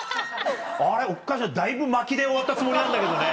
あれおっかしいなだいぶ巻きで終わったつもりなんだけどね。